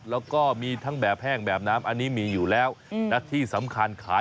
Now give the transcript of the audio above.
น้องเป็ดก็ได้เป็นทริปครับ